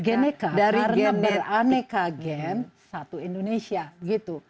geneka karena beraneka gen satu indonesia gitu